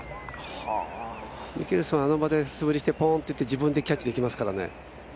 ミケルソン、あの場で素振りして、ぽーんといって、自分でキャッチできますからね。